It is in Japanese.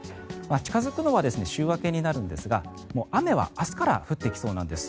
近付くのは週明けになるんですが雨は明日から降ってきそうなんです。